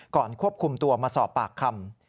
ควบคุมตัวมาสอบปากคำ